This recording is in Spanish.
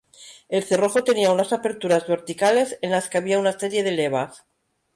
El cerrojo tenía unas aperturas verticales en las que había una serie de levas.